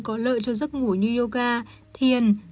có lợi cho giấc ngủ như yoga thiền